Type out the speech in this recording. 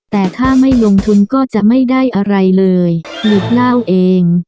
แต่ถ้าไม่ลงทุนก็จะไม่ได้อะไรเลยหลุดเล่าเอง